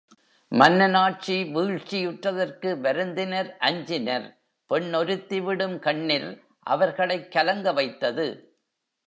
மன்னன் ஆட்சி வீழ்ச்சியுற்றதற்கு வருந்தினர் அஞ்சினர் பெண் ஒருத்தி விடும் கண்ணிர் அவர்களைக் கலங்க வைத்தது.